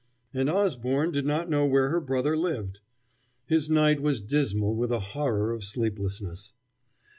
And Osborne did not know where her brother lived! His night was dismal with a horror of sleeplessness.